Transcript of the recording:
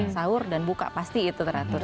sahur dan buka pasti itu teratur